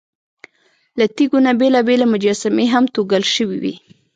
له تیږو نه بېلابېلې مجسمې هم توږل شوې وې.